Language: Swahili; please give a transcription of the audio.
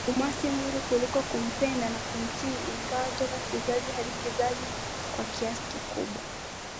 Kumwasi Mungu kuliko kumpenda na Kumtii Ingawa toka kizazi hadi kizazi kwa kiasi kikubwa